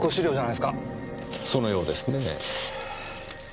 そのようですねぇ。